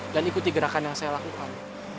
dan ikuti gerakan yang saya lakukan